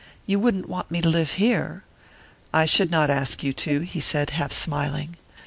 You wouldn't want me to live here?" "I should not ask you to," he said, half smiling.